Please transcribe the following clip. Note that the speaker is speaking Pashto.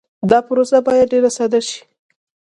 دا پروسه باید ډېر ساده شي.